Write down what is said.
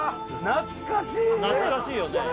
懐かしいよね